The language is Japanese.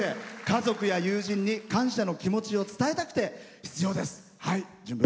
家族や友人に感謝の気持ちを伝えたくて出場です。